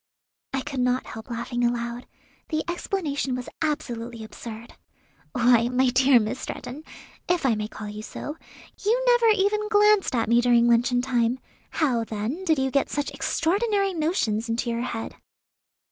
I could not help laughing aloud; the explanation was absolutely absurd. "Why, my dear Miss Stretton, if I may call you so, you never even glanced at me during luncheon time; how, then, did you get such extraordinary notions into your head?"